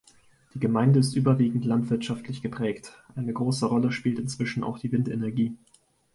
Die Gemeinde ist überwiegend landwirtschaftlich geprägt, eine große Rolle spielt inzwischen auch die Windenergie.